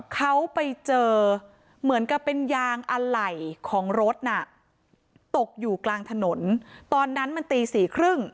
เขาไปเจอเหมือนกับเป็นยางอะไหล่ของรถน่ะตกอยู่กลางถนนตอนนั้นมันตีสี่ครึ่ง